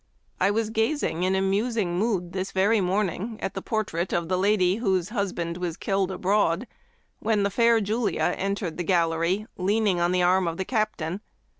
I was gazing in a musing mood this very morning at the portrait of the lady whose hus band was killed abroad, when the fair Julia en tered the gallery leaning on the arm of the captain.